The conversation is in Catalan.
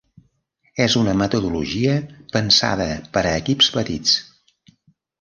És una metodologia pensada per a equips petits.